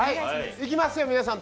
いきますよ、皆さん。